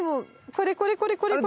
これこれこれこれ！